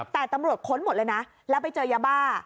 แต่ตำรวจค้นหมดเลยนะแล้วไปเจอยาบ้า